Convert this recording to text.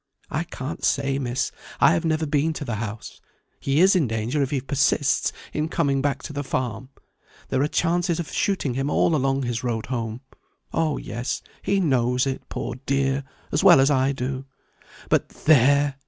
"I can't say, Miss; I have never been to the house. He is in danger if he persists in coming back to the farm. There are chances of shooting him all along his road home. Oh, yes; he knows it, poor dear, as well as I do. But, there!